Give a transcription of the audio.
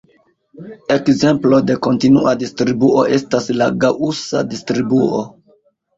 Ekzemplo de kontinua distribuo estas la Gaŭsa distribuo.